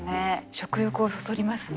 食欲をそそりますね